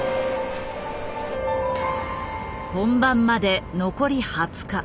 本番まで残り２０日